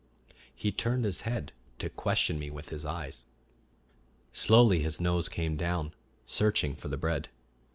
He turned his head to question me with his eyes. Slowly his nose came down, searching for the bread.